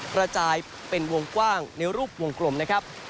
กระจายเป็นวงกว้างในรูปวงกลมนะครับ